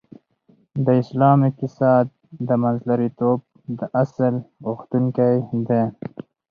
د اسلام اقتصاد د منځلاریتوب د اصل غوښتونکی دی .